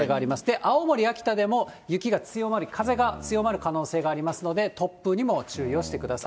青森、秋田でも雪が強まり、風が強まる可能性がありますので、突風にも注意をしてください。